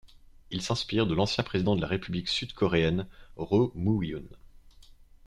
Il s'inspire de l'ancien président de la République sud-coréenne Roh Moo-hyun.